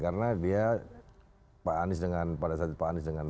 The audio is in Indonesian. karena dia pak anies dengan pak anies